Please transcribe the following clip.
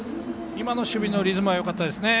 今の守備のリズムはよかったですね。